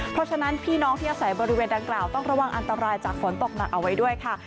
เพราะฉะนั้นพี่น้องที่อาศัยบริเวณดังกล่าวต้องระวังอันตรายจากฝนตกหนักเอาไว้ด้วยค่ะ